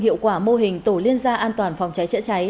hiệu quả mô hình tổ liên gia an toàn phòng cháy chữa cháy